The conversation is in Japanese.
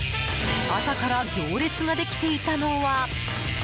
朝から行列ができていたのは。